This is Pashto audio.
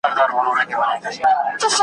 ږغ د خپل بلال مي پورته له منبره له منار کې .